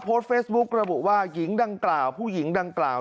โพสต์เฟซบุ๊กระบุว่าหญิงดังกล่าวผู้หญิงดังกล่าว